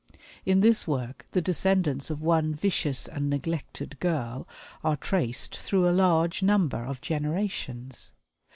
In this work the descendants of one vicious and neglected girl are traced through a large number of generations.